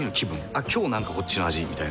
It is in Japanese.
「あっ今日なんかこっちの味」みたいな。